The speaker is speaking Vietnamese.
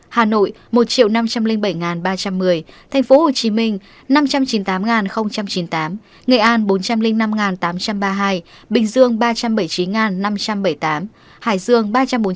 hà nội một năm trăm linh bảy ba trăm một mươi tp hcm năm trăm chín mươi tám chín mươi tám nghệ an bốn trăm linh năm tám trăm ba mươi hai bình dương ba trăm bảy mươi chín năm trăm bảy mươi tám hải dương ba trăm bốn mươi